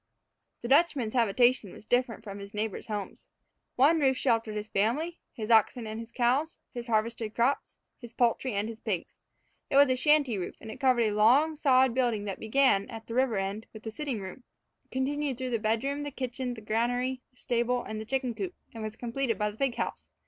The Dutchman's habitation was different from his neighbors' homes. One roof sheltered his family, his oxen and his cows, his harvested crops, his poultry and his pigs. It was a shanty roof, and it covered a long, sod building that began, at the river end, with the sitting room, continued through the bedroom, the kitchen, the granary, the stable, and the chicken coop, and was completed by the pig house.